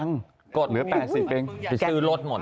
ตั้งแต่๘๐บาทเป็นไรน่ะอยากซื้อลดหมด